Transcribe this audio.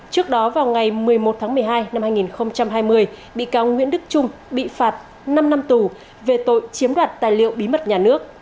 trước đó vào ngày một mươi một tháng một mươi hai năm hai nghìn hai mươi bị cáo nguyễn đức trung bị phạt năm năm tù về tội chiếm đoạt tài liệu bí mật nhà nước